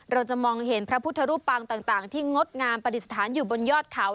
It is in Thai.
เราจะมองเห็นพระพุทธรูปปางต่างที่งดงามปฏิสถานอยู่บนยอดเขา